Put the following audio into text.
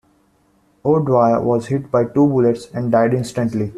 O'Dwyer was hit by two bullets and died instantly.